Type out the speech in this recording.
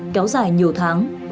kéo dài nhiều tháng